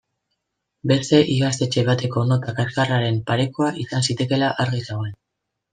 Beste ikastetxe bateko nota kaxkarraren parekoa izan zitekeela argi zegoen.